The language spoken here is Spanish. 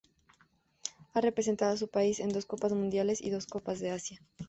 Ha representado a su país en dos Copas Mundiales y dos Copas de Asia.